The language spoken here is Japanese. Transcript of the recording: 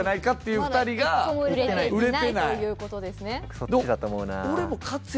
そっちだと思うな。